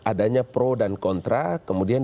adanya pro dan kontra kemudian